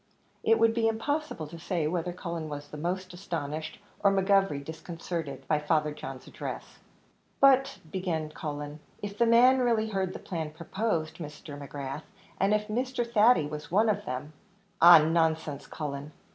It would be impossible to say whether Cullen was most astonished, or McGovery disconcerted, by Father John's address. "But," began Cullen, "if the man really heard the plan proposed, Mr. McGrath, and if Mr. Thady was one of them " "Ah, nonsense, Cullen."